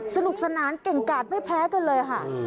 สนุกสนานเก่งกาดไม่แพ้กันเลยค่ะ